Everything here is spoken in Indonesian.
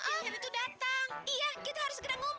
iya kita harus segera ngumpet